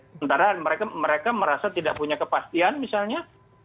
sementara mereka merasa tidak punya kepastian misalnya